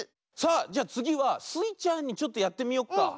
さあじゃつぎはスイちゃんちょっとやってみよっか。